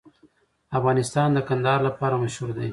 افغانستان د کندهار لپاره مشهور دی.